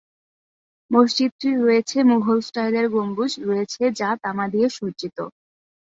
মসজিদটির রয়েছে মুঘল-স্টাইলের গম্বুজ রয়েছে যা তামা দিয়ে সজ্জিত।